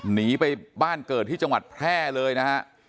หนีไปบ้านเกิดที่จังหวัดแพร่เลยนะฮะ